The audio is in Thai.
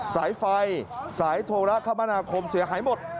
สายไฟสายโทรคมนาคมเสียหายหมด